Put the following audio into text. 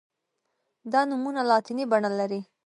دا نومونه لاتیني بڼه لري.